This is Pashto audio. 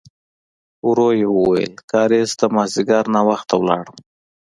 ورو يې وویل: کارېز ته مازديګر ناوخته لاړم.